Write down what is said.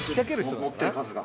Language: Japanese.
載ってる数が。